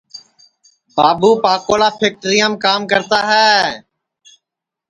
بابو پاکولا پھکٹیرام کام کرتا ہے